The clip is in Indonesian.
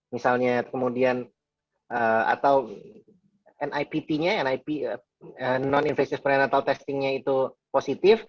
misalnya kemudian atau nipt nya non invasif prenatal testingnya itu positif